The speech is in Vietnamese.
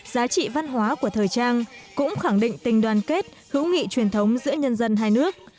giá trị văn hóa của thời trang cũng khẳng định tình đoàn kết hữu nghị truyền thống giữa nhân dân hai nước